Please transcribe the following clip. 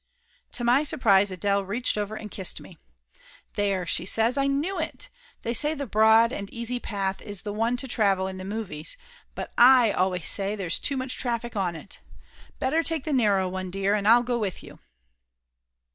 To my surprise Adele reached over and kissed me. "There!" she says. "I knew it! They say the broad and easy path is the one to travel in the movies, but 7 always say there's too much traffic on it. Better take the narrow one, dear, and I'll go with you."